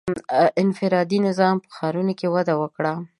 • انفرادي نظام په ښارونو کې وده وکړه.